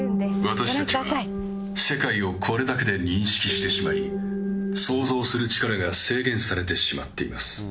私たちは世界をこれだけで認識してしまい、想像する力が制限されてしまっています。